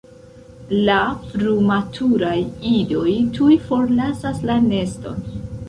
La frumaturaj idoj tuj forlasas la neston.